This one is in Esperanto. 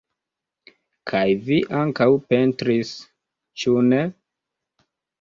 Kaj vi ankaŭ pentris, ĉu ne?